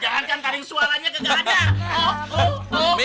jangan jangan taring suaranya kagak ada